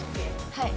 はい。